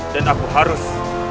dan aku harus